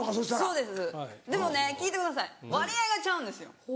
そうですでもね聞いてください割合がちゃうんですよ。